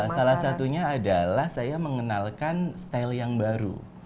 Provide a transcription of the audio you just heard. salah satunya adalah saya mengenalkan style yang baru